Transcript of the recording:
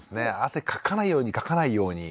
汗かかないようにかかないように。